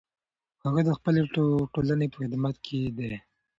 هغه د خپلې ټولنې په خدمت کې دی.